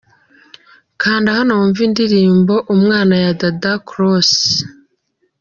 Kanda hano wumve indirimbo Umwana ya dada Cross.